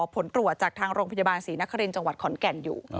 ผลตรวจจากทางโรงพยาบาลศรีนครินทร์จังหวัดขอนแก่นอยู่